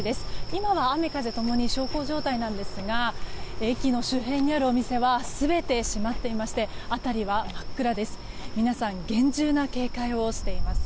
今は雨風共に小康状態なんですが駅の周辺にあるお店は全て閉まっていまして辺りは真っ暗です。